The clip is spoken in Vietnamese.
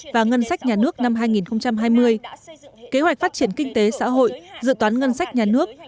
và ngân sách nhà nước năm hai nghìn hai mươi kế hoạch phát triển kinh tế xã hội dự toán ngân sách nhà nước